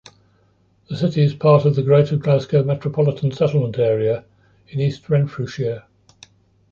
The city is part of the Greater Glasgow Metropolitan Settlement Area in East Renfrewshire.